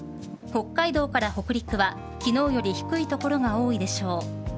北海道から北陸は昨日より低い所が多いでしょう。